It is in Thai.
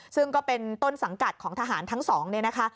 ซึ่งก็เป็นต้นสังกัดของทหารทั้งสองเนี่ยนะคะ